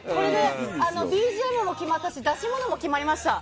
ＢＧＭも決まったし出し物も決まりました。